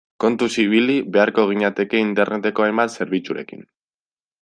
Kontuz ibili beharko ginateke Interneteko hainbat zerbitzurekin.